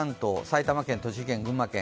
埼玉県栃木県群馬県